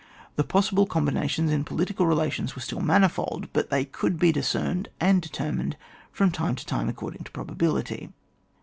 The possible combinations in political relations were still manifol(^, but they could be discerned and determined from time to time according to probability.